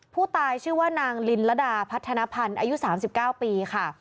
ผู้ตายชื่อว่านางลินระดาพัฒนภัณฑ์อายุ๓๙ปีค่ะ